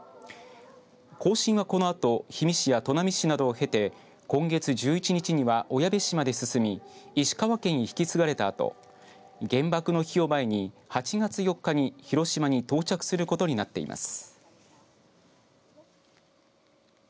行進は、このあと氷見市や砺波市などを経て今月１１日には小矢部市まで進み石川県へ引き継がれたあと原爆の日を前に８月４日に広島に到着することになっています。